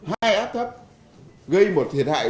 hai áp thấp gây một thiệt hại